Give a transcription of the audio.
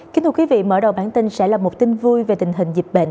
kính thưa quý vị mở đầu bản tin sẽ là một tin vui về tình hình dịch bệnh